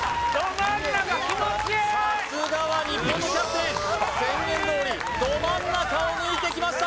さすがは日本のキャプテンよしっ宣言通りど真ん中を抜いてきました